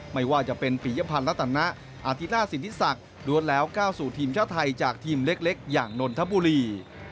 ไม่ว่าจะเป็นปียพันธ์รัตนะอาธิราชสินทิศักดิ์ล้วนแล้วก้าวสู่ทีมชาติไทยจากทีมเล็กอย่างนนทบุรี